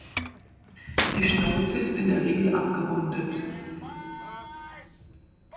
Die Schnauze ist in der Regel abgerundet.